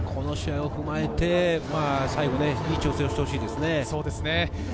この試合を踏まえて、最後いい調整をしてほしいですね。